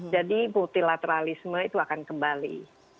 jadi multilateralisme itu akan kembali